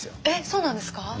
えっそうなんですか？